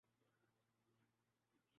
ماجد خان کو چیئرمین پی سی بی بنانے کی تجویز